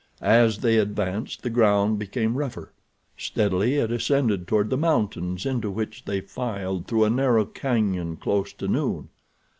As they advanced the ground became rougher. Steadily it ascended toward the mountains, into which they filed through a narrow cañon close to noon.